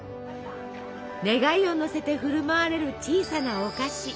願いを乗せて振る舞われる小さなお菓子。